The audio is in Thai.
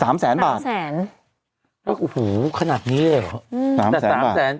แสนบาทสามแสนแล้วโอ้โหขนาดนี้เลยเหรออืมแต่สามแสน